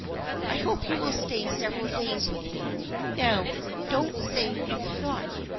I hope you will stay several days with me. Now don't say you cannot.